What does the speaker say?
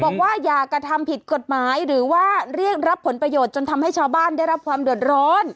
บอกว่าอย่ากระทำผิดกฎหมายหรือว่าเรียกรับผลประโยชน์จนทำให้ชาวบ้านได้รับความเดือดร้อน